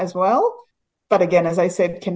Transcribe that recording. tapi seperti yang saya katakan